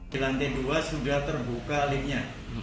di lantai dua sudah terbuka liftnya